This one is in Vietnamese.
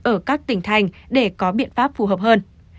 ở các tỉnh thành để có biện pháp phù hợp hơn